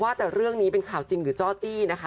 ว่าแต่เรื่องนี้เป็นข่าวจริงหรือจ้อจี้นะคะ